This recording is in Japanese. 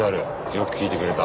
よく聞いてくれた。